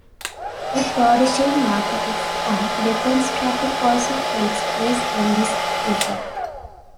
A flourishing narcotics and weapons traffic also takes place in this region.